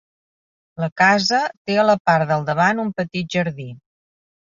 La casa, té a la part del davant un petit jardí.